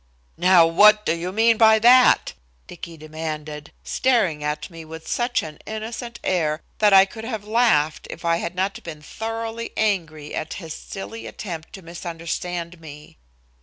"Now what do you mean by that?" Dicky demanded, staring at me with such an innocent air that I could have laughed if I had not been thoroughly angry at his silly attempt to misunderstand me.